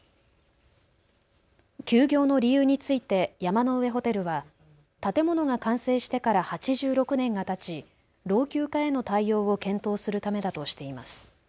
休業の理由について山の上ホテルは建物が完成してから８６年がたち老朽化への対応を検討するためだとしています。